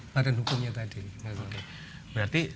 badan hukumnya tadi